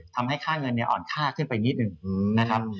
ทำให้ค่าเงินเนี่ยอ่อนค่าขึ้นไปนิดหนึ่งนะครับ